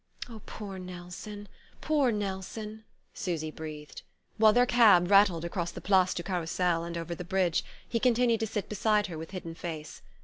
"Oh, poor Nelson poor Nelson," Susy breathed. While their cab rattled across the Place du Carrousel, and over the bridge, he continued to sit beside her with hidden face.